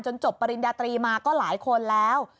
จบปริญญาตรีมาก็หลายคนแล้ว